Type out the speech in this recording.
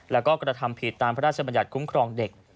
แล้วก็กระทำผิดตามพระราชบัญญัติคุ้มครองเด็ก